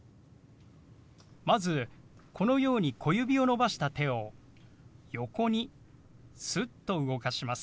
まずこのように小指を伸ばした手を横にすっと動かします。